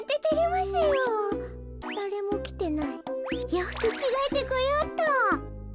ようふくきがえてこようっと。